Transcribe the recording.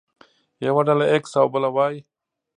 يوه ډله ايکس او بله وايي.